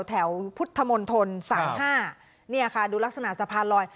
แถวพุทธมนตร๓๕เนี่ยค่ะดูลักษณะสะพานลอย